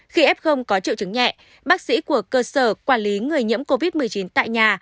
khi f có triệu chứng nhẹ bác sĩ của cơ sở quản lý người nhiễm covid một mươi chín tại nhà